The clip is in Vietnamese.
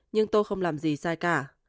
nhưng tôi không làm gì sai cả